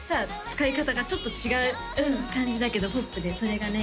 使い方がちょっと違う感じだけどポップでそれがね